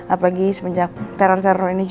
apalagi semenjak teror teror ini